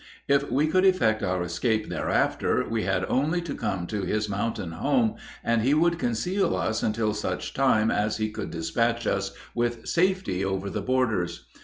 If we could effect our escape thereafter we had only to come to his mountain home and he would conceal us until such time as he could despatch us with safety over the borders.